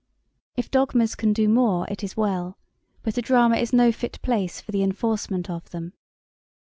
If dogmas can do more it is well: but a drama is no fit place for the enforcement of them.'